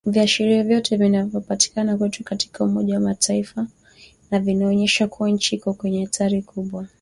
Viashiria vyote vinavyopatikana kwetu katika umoja wa Mataifa na vinaonyesha kuwa nchi iko kwenye hatari kubwa